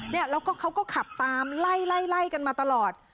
แล้วก็เขาก็ขับตามไล่ไล่กันมาตลอด